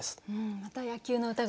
また野球の歌が。